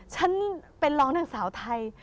ฉันเป็นร้องนางสาวไทย